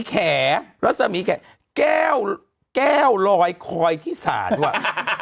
แขราแขราแก้วไลด์คอยที่สานวะ